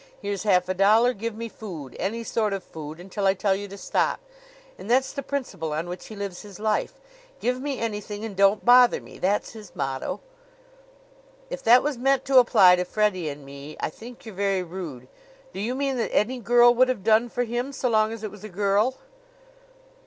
Here's half a dollar. Give me food any sort of food until I tell you to stop.' And that's the principle on which he lives his life. 'Give me anything, and don't bother me!' That's his motto." "If that was meant to apply to Freddie and me, I think you're very rude. Do you mean that any girl would have done for him, so long as it was a girl?"